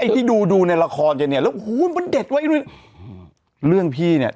เห็นไอ้ที่ดูดูในละครแบบเนี้ยแล้วโอ้โหมันเด็ดวะเรื่องพี่เนี้ย